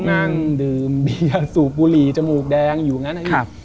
๓๒นั่งดื่มเบียร์สู่ปุรีจมูกแดงอยู่งั้น